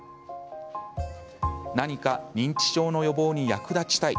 何か認知症の予防に役立ちたい。